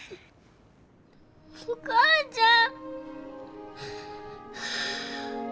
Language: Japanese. お母ちゃん。